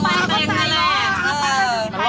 ก็ใส่ร้อยไปแน่นะครับ